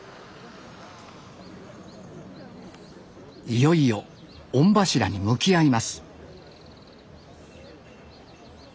いよいよ御柱に向き合います